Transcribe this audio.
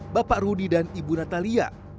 bapak rudi dan ibu natalia